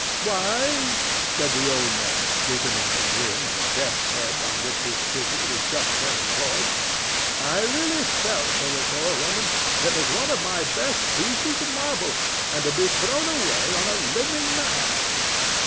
"Why," said the old man, deepening the grin of a death's head on which his chisel was just then employed, "I really felt for the poor woman; it was one of my best pieces of marble—and to be thrown away on a living man!"